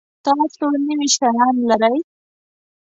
تاسو نوي شیان لرئ؟